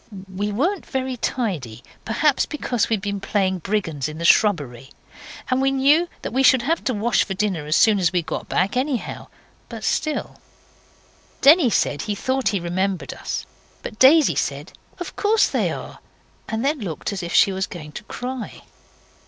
We weren't very tidy, perhaps, because we'd been playing brigands in the shrubbery; and we knew we should have to wash for dinner as soon as we got back, anyhow. But still Denny said he thought he remembered us. But Daisy said, 'Of course they are,' and then looked as if she was going to cry.